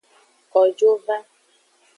Kojo va.